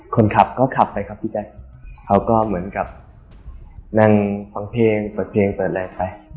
คนขับก็ขับไปครับพี่แจ๊คเขาก็เหมือนกับนั่งฟังเพลงเปิดเพลงเปิดอะไรไป